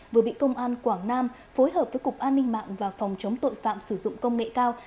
vừa bị công an quảng nam phối hợp với cục an ninh mạng và phòng chống tội phạm sử dụng công nghệ cao